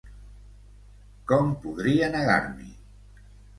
¿Com podria negar-m'hi?